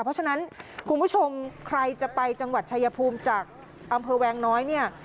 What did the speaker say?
เพราะฉะนั้นคุณผู้ชมใครจะไปจังหวัดชายภูมิจากอำเภอแวงน้อยเนี่ย